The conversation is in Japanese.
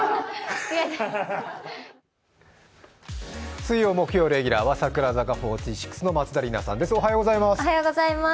水曜、木曜レギュラーは櫻坂４６の松田里奈さんです。